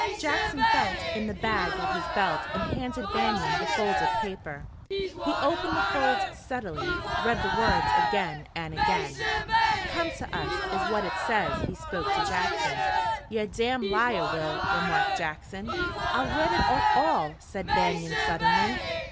Jackson felt in the bag at his belt and handed Banion the folded paper. He opened the folds steadily, read the words again and again. "'Come to us,'" is what it says. He spoke to Jackson. "Ye're a damned liar, Will," remarked Jackson. "I'll read it all!" said Banion suddenly.